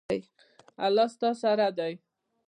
الله ستاسو سره دی